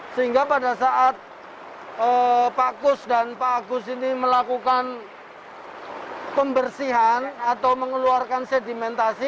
sehingga pada saat pak kus dan pak agus ini melakukan pembersihan atau mengeluarkan sedimentasi